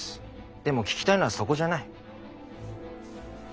でも聞きたいのはそこじゃない。